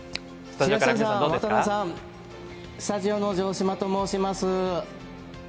東野さん、渡辺さんスタジオの城島と申します。